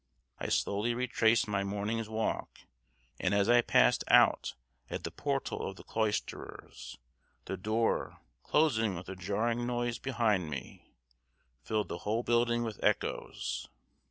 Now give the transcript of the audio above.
I slowly retraced my morning's walk, and as I passed out at the portal of the cloisters, the door, closing with a jarring noise behind me, filled the whole building with echoes.